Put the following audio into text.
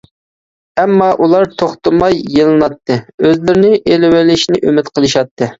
ئەمما ئۇلار توختىماي يېلىناتتى، ئۆزلىرىنى ئېلىۋېلىشنى ئۈمىد قىلىشاتتى.